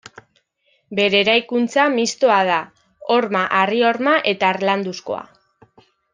Bere eraikuntza, mistoa da, horma, harri-horma eta harlanduzkoa.